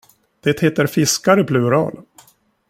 Det heter fiskar i plural.